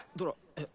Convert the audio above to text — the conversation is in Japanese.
えっ